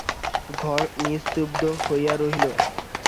ঘর নিস্তব্ধ হইয়া রহিল।